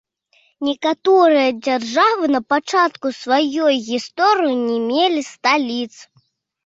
Некаторыя дзяржавы на пачатку сваёй гісторыі не мелі сталіц.